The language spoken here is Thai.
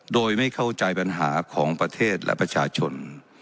โดยไม่เข้าใจปัญหาของประเทศและประชาชน